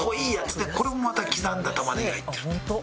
これもまた刻んだ玉ねぎが入ってると。